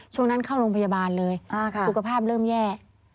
ช่วงนั้นเข้าโรงพยาบาลเลยสุขภาพเริ่มแย่